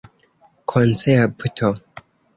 koncepto